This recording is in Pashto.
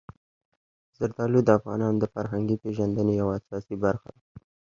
زردالو د افغانانو د فرهنګي پیژندنې یوه اساسي برخه ده.